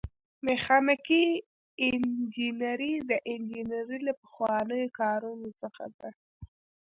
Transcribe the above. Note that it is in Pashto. میخانیکي انجنیری د انجنیری له پخوانیو کارونو څخه ده.